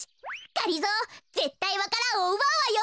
がりぞーぜったいわか蘭をうばうわよ。